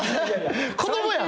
子供やん。